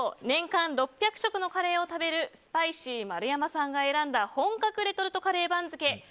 年間６００食のカレーを食べるスパイシー丸山さんが選んだ本格レトルトカレー番付